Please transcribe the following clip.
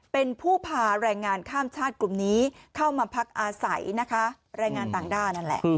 เป็นผู้พาแรงงานข้ามชาติกลุ่มนี้เข้ามาพักอาศัยนะคะแรงงานต่างด้าวนั่นแหละ